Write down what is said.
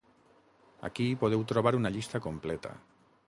Aquí podeu trobar una llista completa.